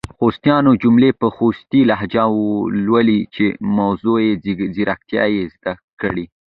خوستیانو جملي په خوستې لهجه لولۍ چې مصنوعي ځیرکتیا یې زده کړې!